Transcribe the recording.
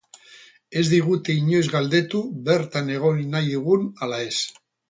Ez digute inoiz galdetu bertan egon nahi dugun ala ez.